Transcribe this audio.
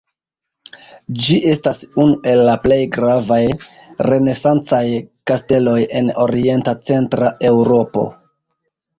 Ĝi estas unu el la plej gravaj renesancaj kasteloj en orienta centra Eŭropo.